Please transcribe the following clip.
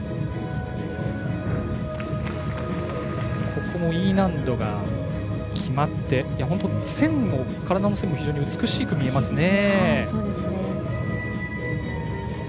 ここもＥ難度が決まって、本当に体の線も非常に美しく見えますね。